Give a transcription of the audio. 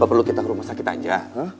gak perlu kita ke rumah sakit aja